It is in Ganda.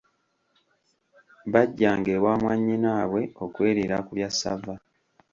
Bajjanga ewa mwanyinabwe okweriira ku bya ssava.